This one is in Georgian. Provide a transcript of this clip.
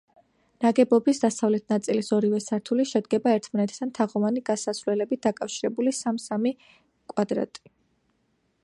ნაგებობის დასავლეთ ნაწილის ორივე სართული შედგება ერთმანეთთან თაღოვანი გასასვლელებით დაკავშირებული, სამ-სამი კვადრ.